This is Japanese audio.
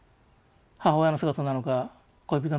母親の姿なのか恋人の姿なのか。